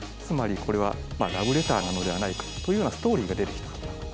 つまり、これはラブレターなのではないかというようなストーリーが出てきた。